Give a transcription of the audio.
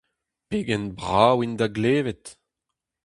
Pegen brav int da glevet.